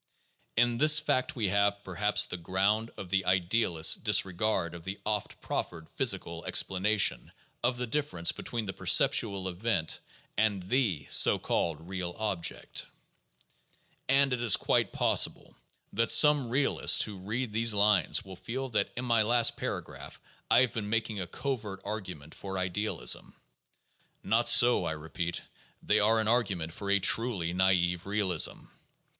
In this fact we have, perhaps, the ground of the idealist's dis regard of the oft proffered physical explanation of the difference between the perceptual event and the (so called) real object. And it is quite possible that some realists who read these lines will feel that in my last paragraphs I have been making a covert argument for idealism. Not so, I repeat; they are an argument for a truly naive realism.